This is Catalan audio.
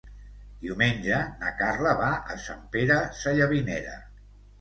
Diumenge na Carla va a Sant Pere Sallavinera.